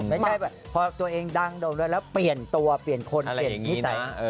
ไม่ใช่แบบพอตัวเองดังโดมด้วยแล้วเปลี่ยนตัวเปลี่ยนคนเปลี่ยนนิสัย